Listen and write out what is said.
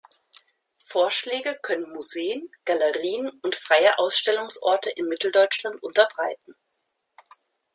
Vorschläge können Museen, Galerien und freie Ausstellungsorte in Mitteldeutschland unterbreiten.